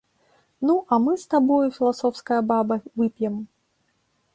Ну, а мы з табою, філасофская баба, вып'ем!